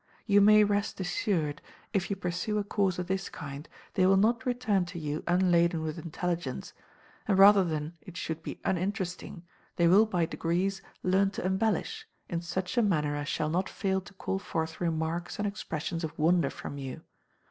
You may rest assured, if you pursue a course of this kind, they will not return to you unladen with intelligence; and rather than it should be uninteresting, they will by degrees learn to embellish, in such a manner as shall not fail to call forth remarks and expressions of wonder from you.